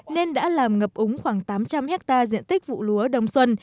nên đã làm ngập úng khoảng tám trăm linh hectare diện tích vụ lúa đông xuân